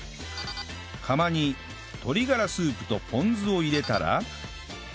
釜に鶏がらスープとポン酢を入れたら